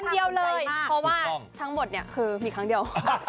เดียวเลยเพราะว่าทั้งหมดเนี่ยคือมีครั้งเดียว